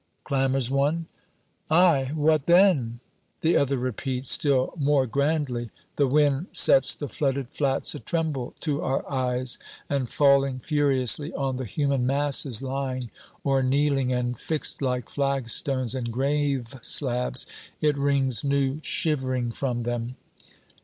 clamors one. "Ay, what then?" the other repeats, still more grandly. The wind sets the flooded flats a tremble to our eyes, and falling furiously on the human masses lying or kneeling and fixed like flagstones and grave slabs, it wrings new shivering from them.